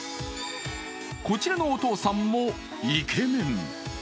こちらのお父さんもイケメン。